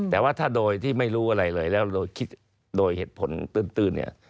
แต่ว่าถ้าโดยที่ไม่รู้อะไรเลยแล้วเราคิดโดยเหตุผลตื้นเนี่ย